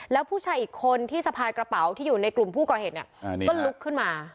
แล้วผู้ชายอีกคนที่สะพายกระเป๋าที่อยู่ในกลุ่มผู้ก่อเหตุเนี่ยก็ลุกขึ้นมา